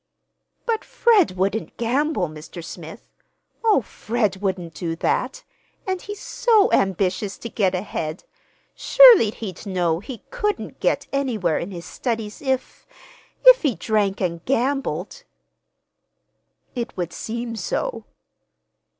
"But Fred wouldn't—gamble, Mr. Smith! Oh, Fred wouldn't do that. And he's so ambitious to get ahead! Surely he'd know he couldn't get anywhere in his studies, if—if he drank and gambled!" "It would seem so."